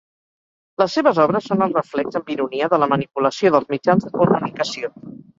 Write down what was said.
Les seves obres són el reflex amb ironia de la manipulació dels mitjans de comunicació.